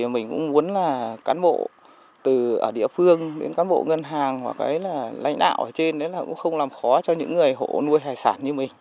phương những cán bộ ngân hàng và cái là lãnh đạo ở trên đấy là cũng không làm khó cho những người hộ nuôi hải sản như mình